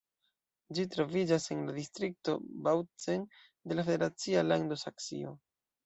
Ĝi troviĝas en la distrikto Bautzen de la federacia lando Saksio.